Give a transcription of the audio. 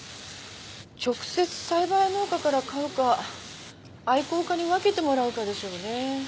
直接栽培農家から買うか愛好家に分けてもらうかでしょうね。